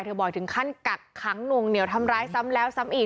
บอกถึงขั้นกักขังหน่วงเหนียวทำร้ายซ้ำแล้วซ้ำอีก